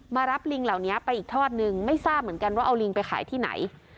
มารับลิงเหล่านี้ไปอีกทอดนึงไม่ทราบเหมือนกันว่าเอาลิงไปขายที่ไหน